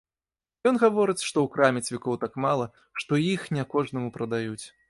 Ён гаворыць, што ў краме цвікоў так мала, што іх не кожнаму прадаюць.